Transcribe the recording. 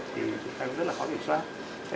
thì chúng ta cũng rất là khó kiểm soát